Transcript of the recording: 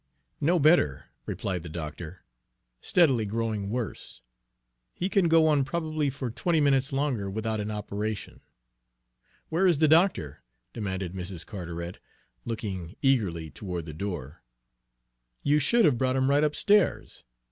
"No better," replied the doctor; "steadily growing worse. He can go on probably for twenty minutes longer without an operation." "Where is the doctor?" demanded Mrs. Carteret, looking eagerly toward the door. "You should have brought him right upstairs.